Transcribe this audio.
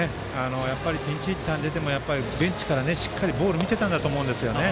ピンチヒッターで出てもベンチからしっかりボールを見ていたと思うんですよね。